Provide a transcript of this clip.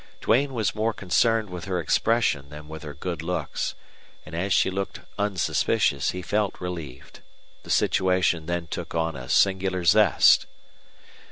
Duane was more concerned with her expression than with her good looks; and as she appeared unsuspicious he felt relieved. The situation then took on a singular zest.